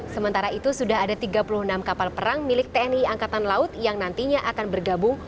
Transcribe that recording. sementara itu sudah ada tiga puluh enam kapal perang milik tni angkatan laut yang nantinya akan bergabung